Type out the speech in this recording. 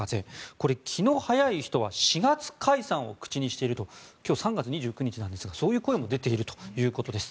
これ、気の早い人は４月解散を口にしていると今日は３月２９日ですがそういう声も出ているということです。